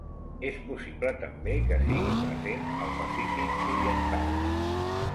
És possible també que sigui present al Pacífic oriental.